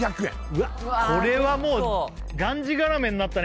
うわっこれはもうがんじがらめになったね